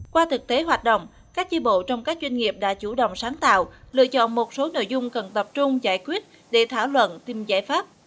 qua thực tế hoạt động các chi bộ trong các doanh nghiệp đã chủ động sáng tạo lựa chọn một số nội dung cần tập trung giải quyết để thảo luận tìm giải pháp